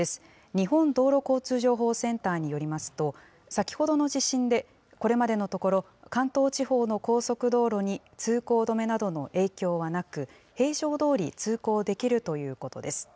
日本道路交通情報センターによりますと、先ほどの地震で、これまでのところ、関東地方の高速道路に通行止めなどの影響はなく、平常どおり通行できるということです。